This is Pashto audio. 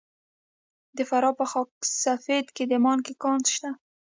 د فراه په خاک سفید کې د مالګې کان شته.